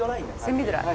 セミドライ？